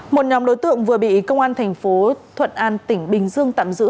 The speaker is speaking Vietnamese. một nhóm đối tượng vừa bị công an tp thuận an tỉnh bình dương tạm giữ